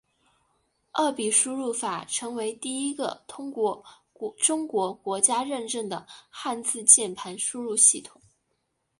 二笔输入法成为第一个通过中国国家认证的汉字键盘输入系统。